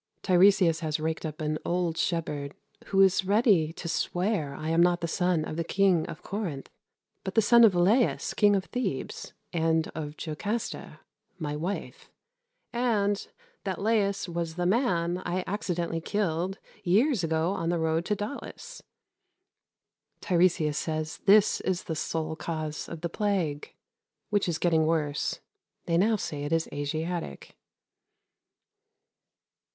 Tiresias has raked up an old shepherd, who is ready to swear I am not the son of the King of Corinth, but the son of Laius, King of Thebes, and of Jocasta (my wife!); and that Laius was the man I accidentally killed years ago on the road to Daulis! Tiresias says this is the sole cause of the plague, which is getting worse. They now say it is Asiatic.